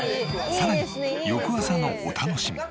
さらに翌朝のお楽しみ。